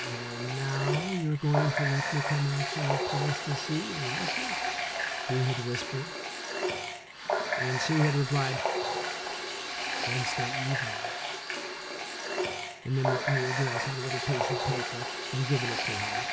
"And now you're going to let me come out to your place to see you, aren't you?" he had whispered. And she had replied, "Wednesday evening," and then written the address on a little piece of paper and given it to him.